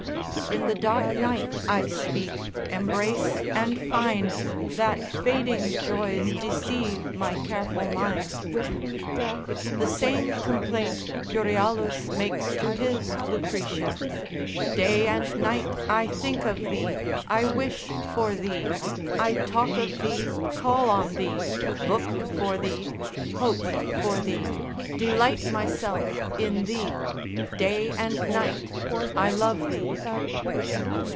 In the dark night I speak, embrace, and find That fading joys deceive my careful mind. The same complaint Euryalus makes to his Lucretia, day and night I think of thee, I wish for thee, I talk of thee, call on thee, look for thee, hope for thee, delight myself in thee, day and night I love thee.